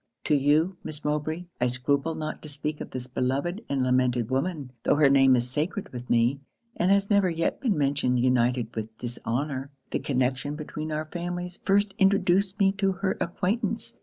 'To you, Miss Mowbray, I scruple not to speak of this beloved and lamented woman; tho' her name is sacred with me, and has never yet been mentioned united with dishonour. 'The connection between our families first introduced me to her acquaintance.